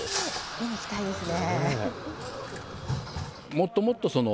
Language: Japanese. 見に行きたいですね。